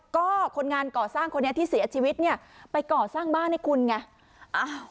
ก็คนงานก่อสร้างคนนี้ที่เสียชีวิตเนี่ยไปก่อสร้างบ้านให้คุณไง